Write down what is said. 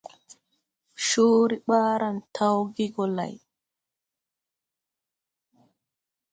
Coore ɓaaran tawge gɔ lay.